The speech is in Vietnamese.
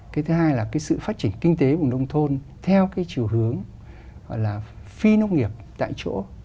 cái thứ hai là cái sự phát triển kinh tế của nông thôn theo cái chiều hướng là phi nông nghiệp tại chỗ